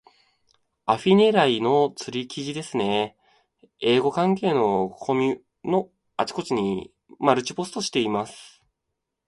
アフィ狙いの釣り記事ですね。英語関係のコミュのあちこちにマルチポストしています。